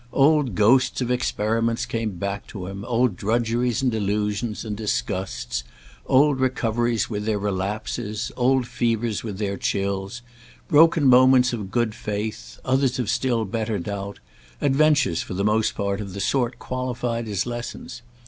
Old ghosts of experiments came back to him, old drudgeries and delusions, and disgusts, old recoveries with their relapses, old fevers with their chills, broken moments of good faith, others of still better doubt; adventures, for the most part, of the sort qualified as lessons.